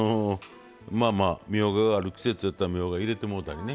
みょうががある季節やったらみょうが入れてもうたりね。